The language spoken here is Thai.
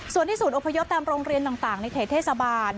ส่วนที่ศูนย์อพยพตามโรงเรียนต่างในเขตเทศบาล